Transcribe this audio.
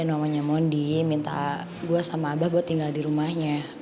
dan mamanya mondi minta gue sama abah buat tinggal di rumahnya